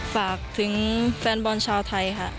ฝากถึงแฟนบอลชาวไทยค่ะ